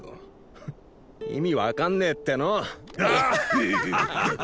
フフッ意味分かんねえっての。